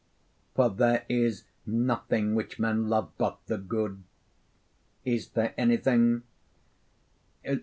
For there is nothing which men love but the good. Is there anything?'